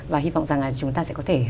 và hy vọng rằng chúng ta sẽ có thể